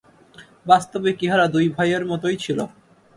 বাস্তবিক ইহারা দুই ভাইয়ের মতোই ছিল।